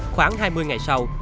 khoảng hai mươi ngày sau